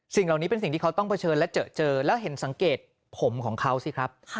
สิ่งเหล่านี้เป็นสิ่งที่เขาต้องเผชิญและเจอแล้วเห็นสังเกตผมของเขาสิครับ